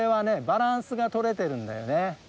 バランスが取れてるんだよね。